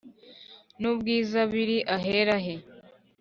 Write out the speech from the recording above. n ubwiza biri ahera he